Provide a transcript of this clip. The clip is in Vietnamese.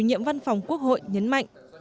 chủ nhiệm văn phòng quốc hội nhấn mạnh